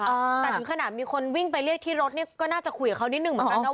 และถึงมีคนวิ่งไปเรียกที่รถเนี่ยก็น่าจะคุยกับเขานิดนึงเฉพาะ